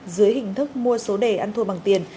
dưới hình thức mua số đề ăn thua bằng tiền